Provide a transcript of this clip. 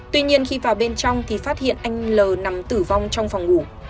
tuy nhiên khi vào bên trong thì phát hiện anh l nằm tử vong trong phòng ngủ